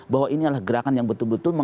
bahwa ini adalah gerakan yang betul betul